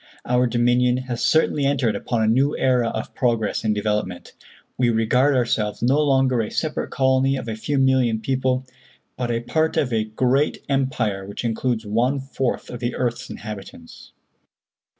Our Dominion has certainly entered upon a new era of progress and development. We regard ourselves no longer a separate colony of a few million people, but a part of a great empire which includes one fourth of the earth's inhabitants.